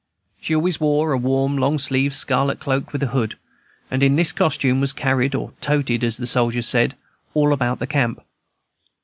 She always wore a warm long sleeved scarlet cloak with a hood, and in this costume was carried or "toted," as the soldiers said, all about the camp.